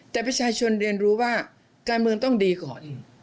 แต่ประชาชนเรียนรู้ว่าการเมืองต้องดีก่อน